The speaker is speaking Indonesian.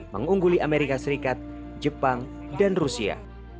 mengungguli amerika serikat jepang dan rusia